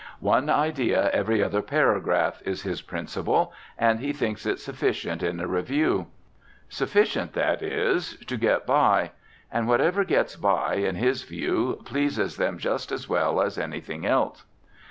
"One idea every other paragraph," is his principle, and he thinks it sufficient in a review. Sufficient, that is, to "get by." And whatever gets by, in his view, "pleases them just as well as anything else."